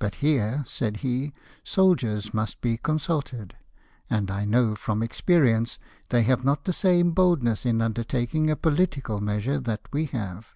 *'But here," said he, "soldiers must be consulted ; and I know, from experience, they have not the same boldness in undertaking a political measure that we have.